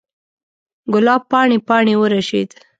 ګلاب پاڼې، پاڼې ورژید